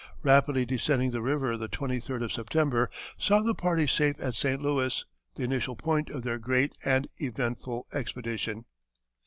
Rapidly descending the river the 23d of September saw the party safe at St. Louis, the initial point of their great and eventful expedition.